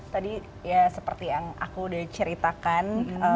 tadi ya seperti yang aku udah ceritakan